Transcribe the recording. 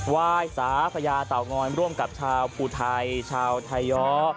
วายสาพญาเต่างอยร่วมกับชาวภูไทยชาวไทยย้อ